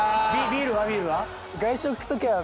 ビールは？